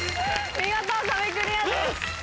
見事壁クリアです。